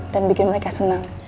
dan bikin mereka senang